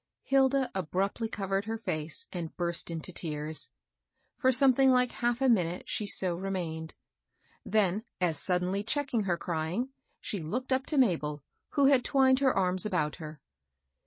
Hilda abruptly covered her fece and burst into tears. For something like half a minute, sk| so remained ; then as suddenly checking her crying, she looked up to Mabd, who had twined her arms about her.